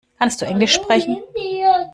Kannst du englisch sprechen?